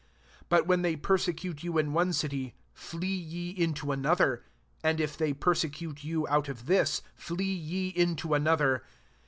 23 But when they persecute you in one city, flee ye into another ; and if they persecute you out of this, flee ye into another.